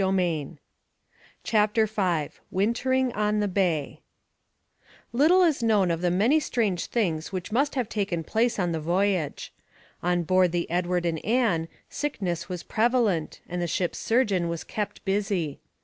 CHAPTER V WINTERING ON THE BAY Little is known of the many strange things which must have taken place on the voyage. On board the Edward and Ann sickness was prevalent and the ship's surgeon was kept busy.